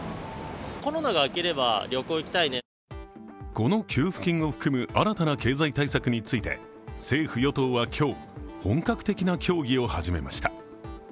この給付金を含む新たな経済対策について政府・与党は今日、本格的な協議を始めました。